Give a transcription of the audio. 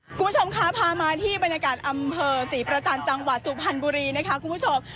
คุณผู้ชมคะพามาที่บรรยากาศอำเภอศรีประจันทร์จังหวัดสุพรรณบุรีนะคะคุณผู้ชม